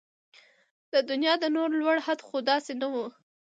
د دنيا د نور لوړ حد خو داسې نه و